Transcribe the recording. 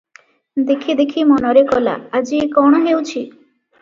ଦେଖି ଦେଖି ମନରେ କଲା, ଆଜି ଏ କଣ ହେଉଛି ।